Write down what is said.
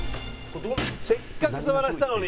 せっかく座らせたのに。